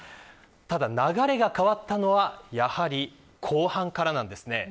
ただ、流れが変わったのはやはり後半からです。